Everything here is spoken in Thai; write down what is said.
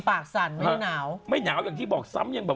กับเงินเงินเฉพาะมือ